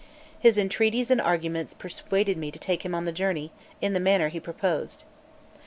His entreaties and arguments persuaded me to take him on the journey in the manner he proposed.